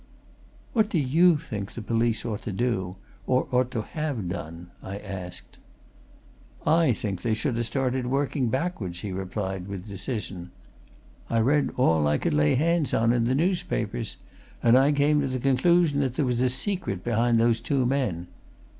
"What do you think the police ought to do or ought to have done?" I asked. "I think they should ha' started working backward," he replied, with decision. "I read all I could lay hands on in the newspapers, and I came to the conclusion that there was a secret behind those two men.